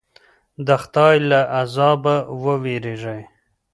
د خدای له عذابه وویریږئ.